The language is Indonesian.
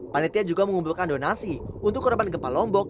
panitia juga mengumpulkan donasi untuk korban gempa lombok